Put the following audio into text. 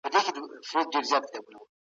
غوښتونکو لیدلورو او فرهنګي تکبر څخه سرچینه